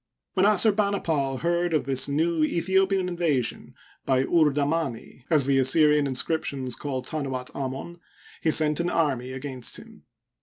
When Assurbanipal heard of this new Aethi opian invasion by Urdamdni (as the Assyrian inscriptions call Tanuat Amon), he sent an army against him.